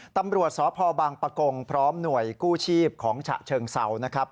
ตำรวจสพบางปะกงพร้อมหน่วยกู้ชีพของฉะเชิงเศร้านะครับ